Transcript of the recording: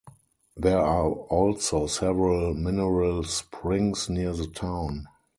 There are also several mineral springs near the town.